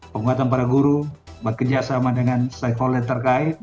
penguatan para guru bekerja sama dengan saifollet terkait